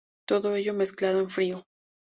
Todo ello mezclado en frío.